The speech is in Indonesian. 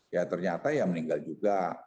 ya ternyata ya meninggal juga